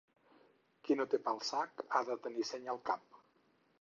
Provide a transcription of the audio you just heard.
Qui no té pa al sac ha de tenir seny al cap.